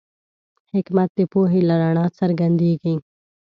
حکمت د پوهې له رڼا څرګندېږي.